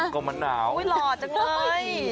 กลงมะหนาวอุ้ยหล่อจังเลย